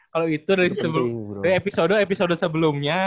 kalau itu dari episode episode sebelumnya